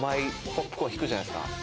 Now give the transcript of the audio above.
引くじゃないですか。